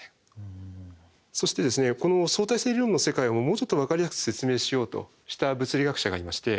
そしてこの相対性理論の世界をもうちょっとわかりやすく説明しようとした物理学者がいまして。